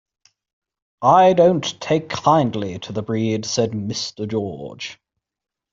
"I don't take kindly to the breed," said Mr. George.